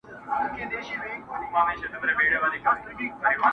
له کندهاره څخه د وروستیو ناوړه خبرونو د اورېدلو په تأثر!٫.